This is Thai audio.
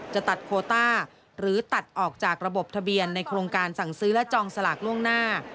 จะตัดโคต้าหรือตัดออกจากระบบทะเบียนในโครงการสั่งซื้อและจองสลากล่วงหน้า